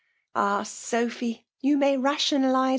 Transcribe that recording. f'AhL Sophy! you may ryttionalizo.